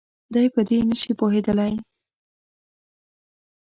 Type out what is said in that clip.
دی په دې نه شي پوهېدلی.